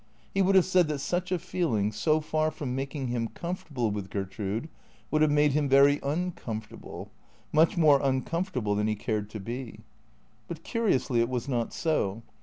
He would have said that such a feeling, so far from making him comfortable with Gertrude, would have made him very uncomfortable, much more uncomfortable than he cared to be. But curiously it was not so.